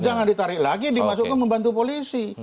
jangan ditarik lagi dimasukkan membantu polisi